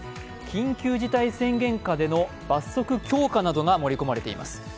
緊急事態宣言下での罰則強化などが盛り込まれています。